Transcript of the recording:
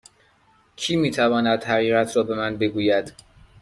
کی می تواند حقیقت را به من بگوید؟